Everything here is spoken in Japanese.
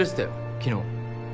昨日。